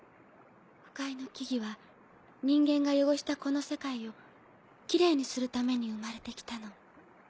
腐海の木々は人間が汚したこの世界をきれいにするために生まれてきたの。